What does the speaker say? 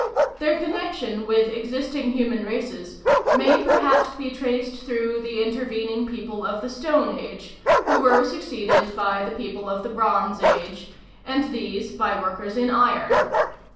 Their connection with existing human races may perhaps be traced through the intervening people of the stone age, who were succeeded by the people of the bronze age, and these by workers in iron.